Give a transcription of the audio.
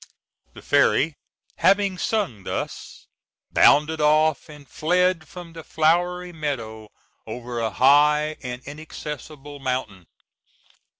The fairy, having sung thus, bounded off, and fled from the flowery meadow over a high and inaccessible mountain.